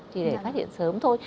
chỉ để phát triển sớm thôi